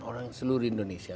orang seluruh indonesia